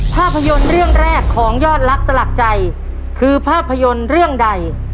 ภาพยนตร์เรื่องแรกของยอดลักษณ์สลักใจคือภาพยนตร์เรื่องใด